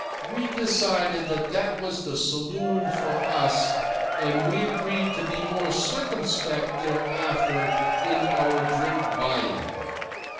We decided that that was the saloon for us, and we agreed to be more circumspect thereafter in our drink buying.